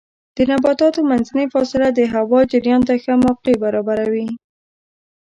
د نباتاتو منځنۍ فاصله د هوا جریان ته ښه موقع برابروي.